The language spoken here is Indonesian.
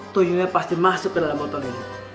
tuyunya pasti masuk ke dalam botol ini